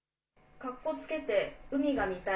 かっこつけて海が見たい。